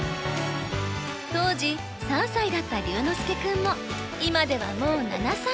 当時３歳だった琉之介君も今ではもう７歳に。